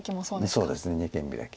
そうですね二間ビラキ。